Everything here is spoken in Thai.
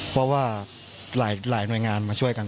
เพราะว่าหลายหน่วยงานมาช่วยกัน